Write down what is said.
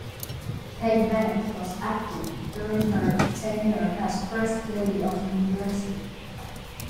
Peg Bennett was active during her tenure as First Lady of New Jersey.